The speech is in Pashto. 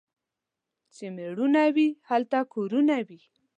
چي مړونه وي ، هلته کورونه وي.